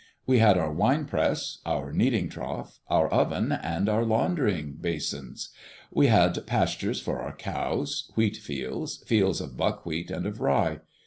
We had our wine press, our kneading trough, our oven, and our laundrying basins. We had pastures for our cows, wheat fields, fields of buckwheat and of rye.